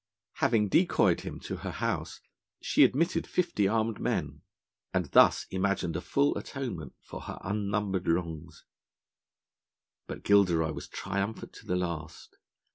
Having decoyed him to her house, she admitted fifty armed men, and thus imagined a full atonement for her unnumbered wrongs. But Gilderoy was triumphant to the last.